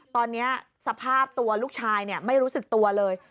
ตอนนี้สภาพตัวลูกชายไม่รู้สึกตัวเลย